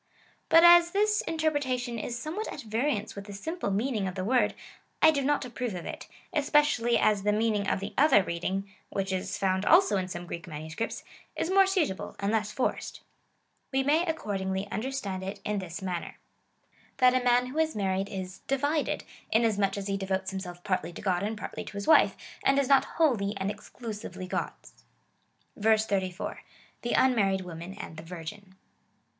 But as this interpretation is somewhat at variance with the simple meaning of the word, I do not approve of it, especially as the meaning of * See p. 231. 262 COMMENTAKY ON THE CHAP. VII. 34, tlie other reading (wliich is found also in some Greek manu scripts) is more suitable and less forced. "We may, accord ingly, understand it in this manner — that a man who is married is divided,^ inasmuch as he devotes himself partly to God and partly to his wife, and is not wholly and exclu sively God's. 84. The unviarried woman and the virgin.